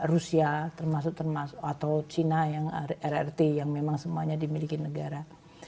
rusia termasuk atau cina yang rrt yang memang semuanya dimiliki negara